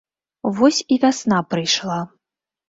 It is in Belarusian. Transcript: Вось і вясна прыйшла.